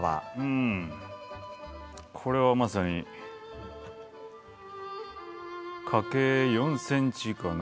これはまさに花径４ｃｍかな。